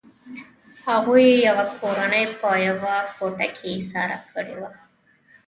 هغوی یوه کورنۍ په یوه کوټه کې ایساره کړې وه